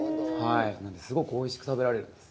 すごくおいしく食べられるんです。